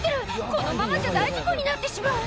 このままじゃ大事故になってしまう。